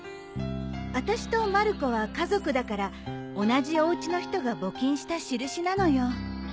あたしとまる子は家族だから同じおうちの人が募金した印なのよ。